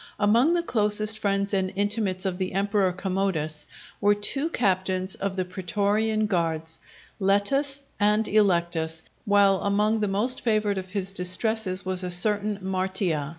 Among the closest friends and intimates of the Emperor Commodus, were two captains of the pretorian guards, Letus and Electus, while among the most favoured of his distresses was a certain Martia.